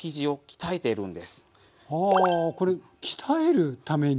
はあこれ鍛えるために？